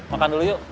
makan dulu yuk